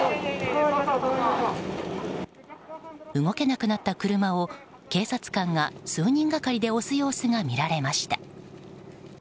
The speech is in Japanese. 動けなくなった車を警察官が数人がかりで押す様子が見られました。